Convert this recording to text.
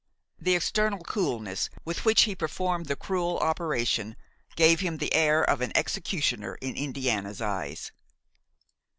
The external coolness with which he performed the cruel operation gave him the air of an executioner in Indiana's eyes.